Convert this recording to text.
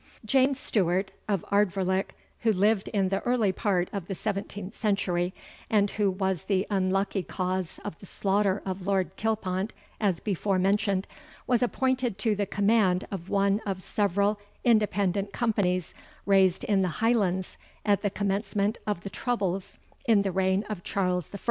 "James Stewart of Ardvoirlich, who lived in the early part of the 17th century, and who was the unlucky cause of the slaughter of Lord Kilpont, as before mentioned, was appointed to the command of one of several independent companies raised in the Highlands at the commencement of the troubles in the reign of Charles I.